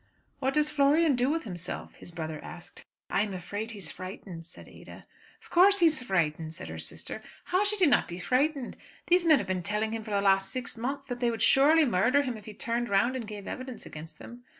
"What does Florian do with himself?" his brother asked. "I am afraid he is frightened," said Ada. "Of course he is frightened," said her sister. "How should he not be frightened? These men have been telling him for the last six months that they would surely murder him if he turned round and gave evidence against them.